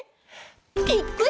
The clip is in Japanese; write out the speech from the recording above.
ぴっくり！